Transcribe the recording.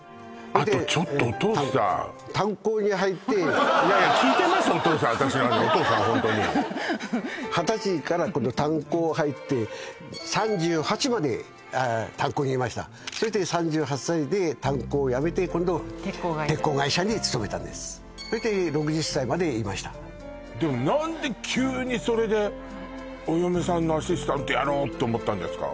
あとちょっとお父さん炭鉱に入っていやいや私の話お父さんホントに二十歳から今度炭鉱入って３８まで炭鉱にいましたそして３８歳で炭鉱を辞めて今度鉄鋼会社鉄鋼会社に勤めたんですそして６０歳までいましたでも何で急にそれでお嫁さんのアシスタントやろうって思ったんですか？